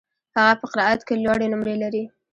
هغه په قرائت کي لوړي نمرې لري.